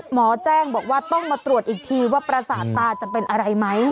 หมอแจ้งบอกว่าต้องมาตรวจอีกทีว่าประสาทตาจะเป็นอะไรไหม